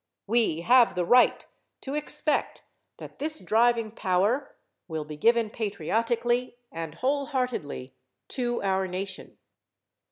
We have the right to expect that this driving power will be given patriotically and whole heartedly to our nation.